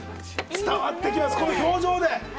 伝わってきます表情で。